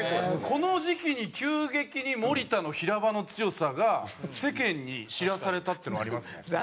この時期に急激に森田の平場の強さが世間に知らされたっていうのはありますね。